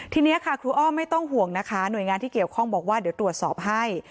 ทีนี้ค่ะครูอ้อมไม่ต้องห่วงนะคะหน่วยงานที่เกี่ยวข้องบอกว่าเดี๋ยวตรวจสอบให้